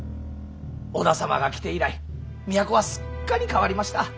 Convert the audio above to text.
織田様が来て以来都はすっかり変わりました。